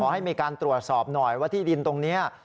ให้มีการตรวจสอบหน่อยว่าที่ดินตรงนี้